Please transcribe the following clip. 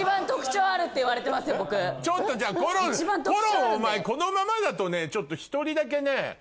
ちょっとじゃあころんころんお前このままだとねちょっと１人だけね。